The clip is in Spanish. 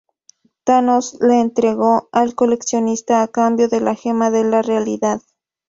Thanos le entregó al Coleccionista a cambio de la Gema de la Realidad.